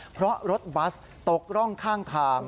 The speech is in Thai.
เพราะรถบัสตกร่องข้างทาง